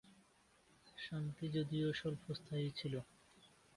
শান্তি যদিও স্বল্পস্থায়ী ছিল।